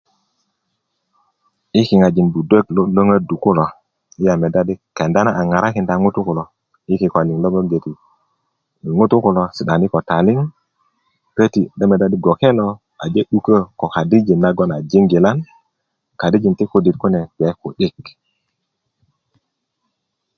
yi kiŋajin budök lo lwöŋödu kulo yi' a medya di kenda na a ŋarakinda ŋutu kulo yi kikölin logon gbeti ŋutu Kulo si'dani ko taliŋ köti do medya di gboke lo aje 'dukö ko kadijin na a jigilan kadijin ti kudit kune gbe ku'dik